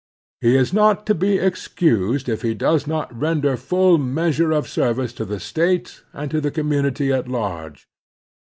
He is not to be excused if he does not render full measure of service to the State and to the commtmity at large.